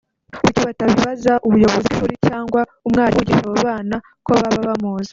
kuki batabibaza ubuyobozi bw’ishuri cyangwa umwarimu wigisha abo bana ko baba bamuzi